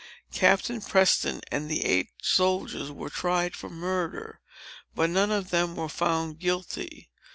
Captain Preston and the eight soldiers were tried for murder. But none of them were found guilty.